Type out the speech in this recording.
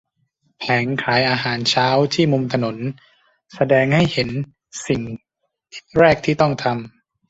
แผงขายอาหารเช้าที่มุมถนนแสดงให้เห็นสิ่งแรกที่ต้องทำ